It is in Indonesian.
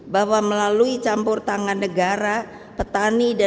bahwa melalui campur tangan negara petani